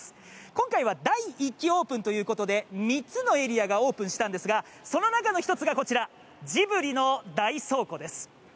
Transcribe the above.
今回は第１期オープンということで３つのエリアがオープンしたんですが、その中の１つがこちら、ジブリの大倉庫です。